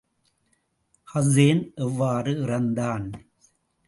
Hussein எவ்வாறு இறந்தான்?